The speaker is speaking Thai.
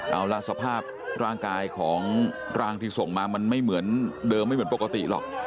เอาละสภาพร่างกายของร่างที่ส่งมามันไม่เหมือนเดิมไม่เหมือนปกติหรอก